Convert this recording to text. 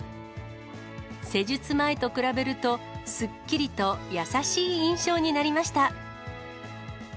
施術前と比べると、すっきりと優しい印象になりました。